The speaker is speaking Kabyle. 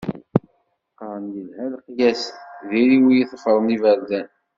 Qqaren yelha leqyas, diri wi i tefṛen iberdan.